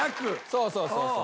そうそうそうそう。